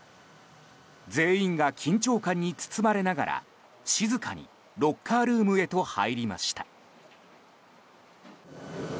全員が緊張感に包まれながら静かにロッカールームへと入りました。